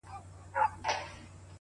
کيسه د بحث مرکز ګرځي تل،